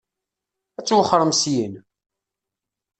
Ad twexxṛem syin?